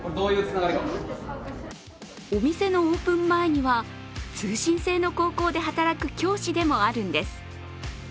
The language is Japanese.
お店のオープン前には通信制の高校で働く教師でもあるんです。